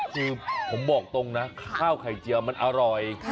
คือผมบอกตรงนะข้าวไข่เจียวมันอร่อย